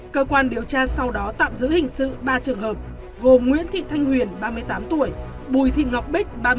cơ quan điều tra sau đó tạm giữ hình sự ba trường hợp gồm nguyễn thị thanh huyền ba mươi tám tuổi bùi thị ngọc bích